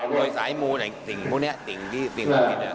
โดยสายมูลสิ่งพวกนี้สิ่งพวกนี้